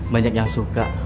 banyak yang suka